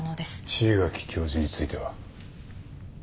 椎垣教授については？